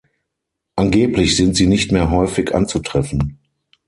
Angeblich sind sie nicht mehr häufig anzutreffen.